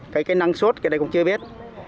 cái cây năng suốt cái này cũng chưa biết